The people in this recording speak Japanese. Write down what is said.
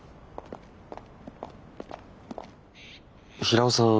平尾さん